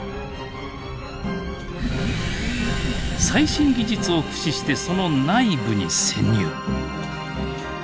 最新技術を駆使してその内部に潜入！